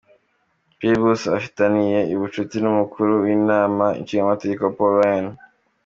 Priebus afitaniye ubucuti n’umukuru w’inama nshingamateka Paul Ryan.